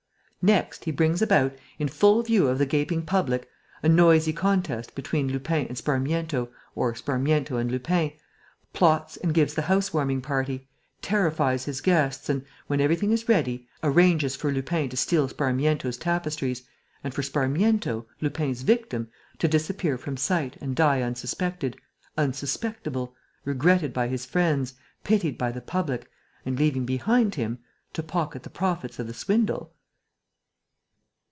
Next, he brings about, in full view of the gaping public, a noisy contest between Lupin and Sparmiento or Sparmiento and Lupin, plots and gives the house warming party, terrifies his guests and, when everything is ready, arranges for Lupin to steal Sparmiento's tapestries and for Sparmiento, Lupin's victim, to disappear from sight and die unsuspected, unsuspectable, regretted by his friends, pitied by the public and leaving behind him, to pocket the profits of the swindle...."